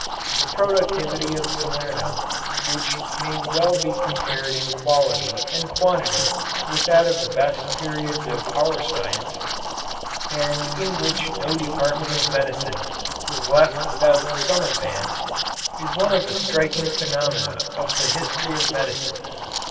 This productivity of Salerno, which may well be compared in quality and quantity with that of the best periods of our science, and in which no department of medicine was left without some advance, is one of the striking phenomena of the history of medicine.